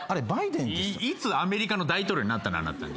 いつアメリカの大統領になったんだあなた。